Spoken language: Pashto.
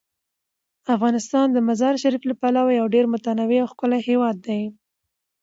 افغانستان د مزارشریف له پلوه یو ډیر متنوع او ښکلی هیواد دی.